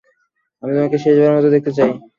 আমি তোমাকে শেষ বারের মতো দেখতে চাই।